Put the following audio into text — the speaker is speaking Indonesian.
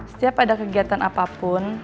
setiap ada kegiatan apapun